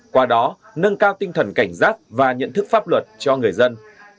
qua đó nâng cao tinh thần cảnh giác và nhận thức pháp luật cho người dân